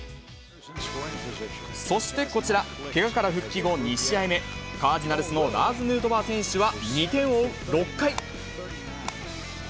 そして、こちら、けがから復帰後２試合目、カージナルスのラーズ・ヌートバー選手は２点を追う６回。